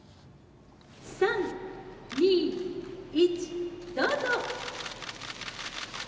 ３、２、１、どうぞ！